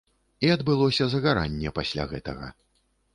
І адбылося загаранне пасля гэтага.